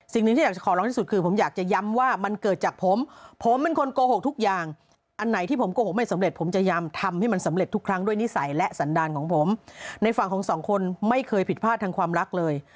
สิ่งหนึ่งที่อยากจะขอร้องที่สุดคือผมอยากจะย้ำว่ามันเกิดจากผมผมเป็นคนโกหกทุกอย่างอันไหนที่ผมโกหกไม่สำเร็จผมจะพยายามทำให้มันสำเร็จทุกครั้งด้วยนิสัยและสันดาลของผมในฝั่งของสองคนไม่เคยผิดพลาดทางความรักเลย